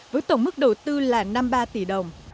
với tổng mức đầu tư là năm mươi ba tỷ đồng